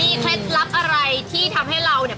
เคล็ดลับอะไรที่ทำให้เราเนี่ย